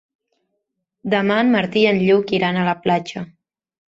Demà en Martí i en Lluc iran a la platja.